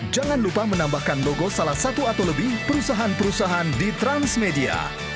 jangan lupa menambahkan logo salah satu atau lebih perusahaan perusahaan di transmedia